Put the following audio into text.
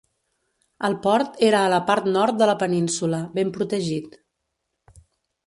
El port era a la part nord de la península, ben protegit.